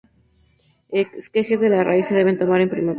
Esquejes de la raíz se deben tomar en primavera.